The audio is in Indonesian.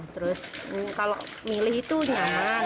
terus kalau milih itu nyaman